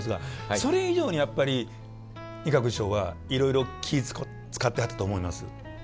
それ以上にやっぱり仁鶴師匠はいろいろ気ぃ遣ってはったと思います。